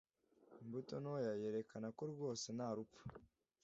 Imbuto ntoya yerekana ko rwose nta rupfu,